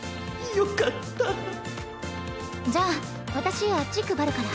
じゃあ私あっち配るから。